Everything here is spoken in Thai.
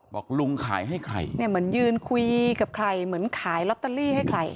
บอกลุงขายให้ใครเนี่ยเหมือนยืนคุยกับใครเหมือนขายลอตเตอรี่ให้ใคร